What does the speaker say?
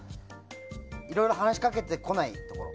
いろいろ話しかけてこない？